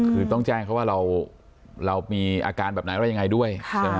คือต้องแจ้งเขาว่าเรามีอาการแบบไหนอะไรยังไงด้วย